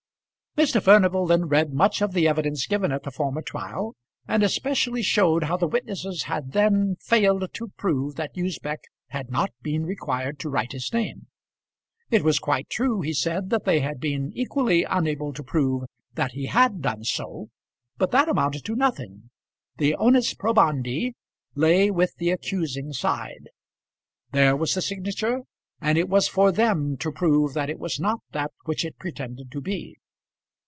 Mr. Furnival then read much of the evidence given at the former trial, and especially showed how the witnesses had then failed to prove that Usbech had not been required to write his name. It was quite true, he said, that they had been equally unable to prove that he had done so; but that amounted to nothing; the "onus probandi" lay with the accusing side. There was the signature, and it was for them to prove that it was not that which it pretended to be.